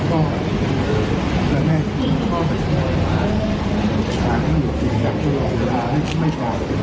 ก็พยายามคิดใจทั้งนี้นะครับ